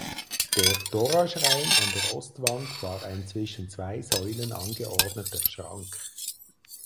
Der Toraschrein an der Ostwand war ein zwischen zwei Säulen angeordneter Schrank.